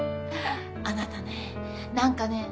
あなたね何かね